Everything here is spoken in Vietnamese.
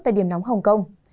tại điểm nóng hồng kông